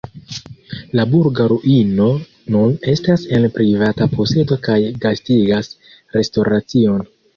La burga ruino nun estas en privata posedo kaj gastigas restoracion.